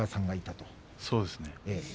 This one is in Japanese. そうですね。